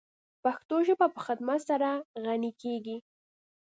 پښتو ژبه په خدمت سره غَنِی کیږی.